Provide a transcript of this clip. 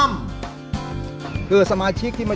โชคชะตาโชคชะตา